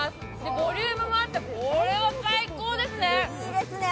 ボリュームもあって、これは最高ですね。